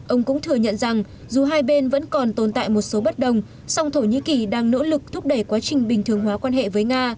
ông cũng thừa nhận rằng dù hai bên vẫn còn tồn tại một số bất đồng song thổ nhĩ kỳ đang nỗ lực thúc đẩy quá trình bình thường hóa quan hệ với nga